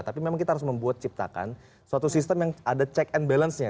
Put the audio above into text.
tapi memang kita harus membuat ciptakan suatu sistem yang ada check and balance nya